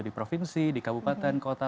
di provinsi di kabupaten kota